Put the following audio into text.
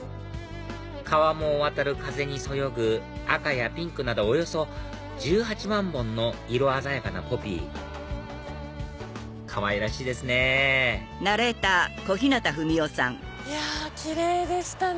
川面を渡る風にそよぐ赤やピンクなどおよそ１８万本の色鮮やかなポピーかわいらしいですねいやキレイでしたね。